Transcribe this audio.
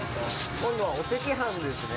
今度はお赤飯ですね。